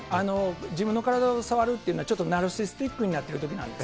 自分の体を触るっていうのは、ちょっとナルシスティックになってるときなんです。